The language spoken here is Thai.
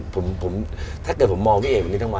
จากตัวให้มากกว่า